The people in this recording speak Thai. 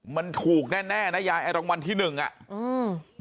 มันถูกแน่แน่นะยายไอ้รางวัลที่หนึ่งอ่ะอืม